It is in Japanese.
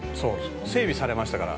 「整備されましたから」